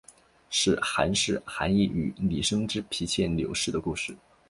是寒士韩翃与李生之婢妾柳氏的故事。